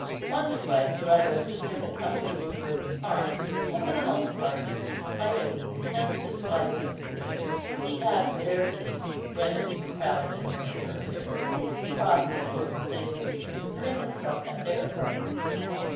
Once or twice brother and sister had come to the suburban farm; but for the most part, in spite of his intense dislike of the city, he had for their sake threaded its crowded and narrow thoroughfares, crossed its open places, and presented himself at their apartments.